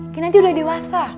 kinanti udah dewasa